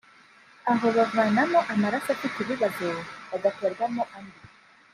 aho bavanamo amaraso afite ikibazo bagaterwamo andi